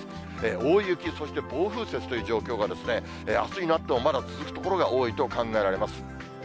大雪、そして暴風雪という状況が、あすになってもまだ続く所が多いと考えられます。